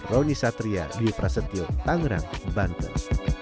roni satria dwi prasetyo tangerang banten